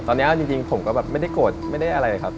ตอนนี้เอาจริงผมก็แบบไม่ได้โกรธไม่ได้อะไรครับ